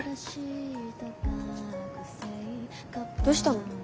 どうしたの？